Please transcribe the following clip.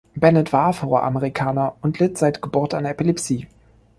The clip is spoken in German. Bennett war Afroamerikaner und litt seit Geburt an Epilepsie.